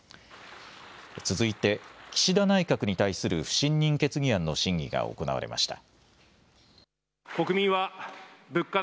続いて岸田内閣に対する不信任決議案の審議が行われました。